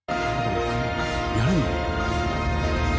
やるの？